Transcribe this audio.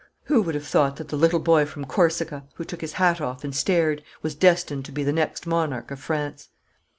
Who would have thought that the little boy from Corsica, who took his hat off and stared, was destined to be the next monarch of France?